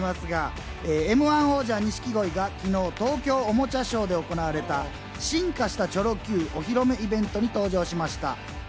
М‐１王者・錦鯉が昨日、東京おもちゃショーで行われた、進化したチョロＱお披露目イベントに登場しました。